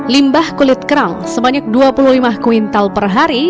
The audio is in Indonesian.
limbah kulit kerang sebanyak dua puluh lima kuintal per hari